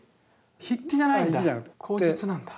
筆記じゃないんだ口述なんだ。